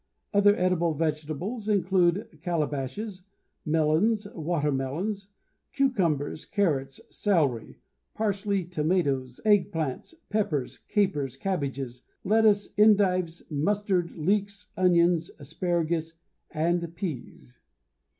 Other edible vegetables include calabashes, melons, watermelons, cucumbers, carrots, celery, parsley, tomatoes, egg plants, peppers, capers, cabbages, lettuce, endives, mustard, leeks, onions, asparagus, and peas.